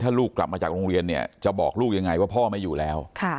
ถ้าลูกกลับมาจากโรงเรียนเนี่ยจะบอกลูกยังไงว่าพ่อไม่อยู่แล้ว